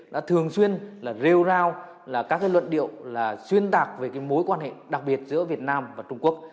đã thường xuyên rêu rao các luận điệu xuyên tạp về mối quan hệ đặc biệt giữa việt nam và trung quốc